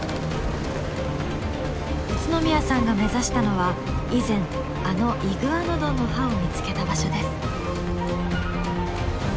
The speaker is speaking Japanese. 宇都宮さんが目指したのは以前あのイグアノドンの歯を見つけた場所です。